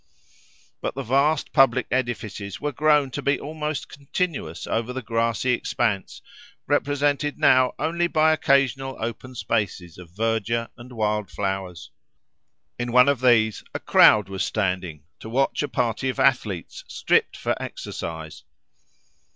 But the vast public edifices were grown to be almost continuous over the grassy expanse, represented now only by occasional open spaces of verdure and wild flowers. In one of these a crowd was standing, to watch a party of athletes stripped for exercise.